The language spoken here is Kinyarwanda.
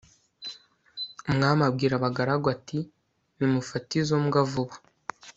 umwami abwira abagaragu ati 'nimufate izo mbwa vuba